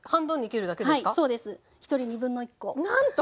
なんと！